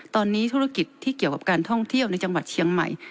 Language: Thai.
ตอนนี้ธุรกิจที่เกี่ยวกับการท่องเที่ยวในจังหวัดเชียงใหม่